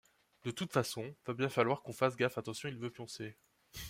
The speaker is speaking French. De toute façon : va bien falloir qu'on fasse gaffe attention il veut pioncer.